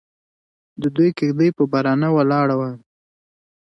د دوی کږدۍ پر بارانه ولاړه وه.